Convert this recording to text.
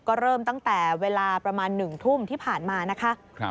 ก็เริ่มตั้งแต่เวลาประมาณ๑ทุ่มที่ผ่านมานะคะ